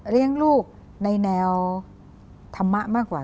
เลี้ยงลูกในแนวธรรมะมากกว่า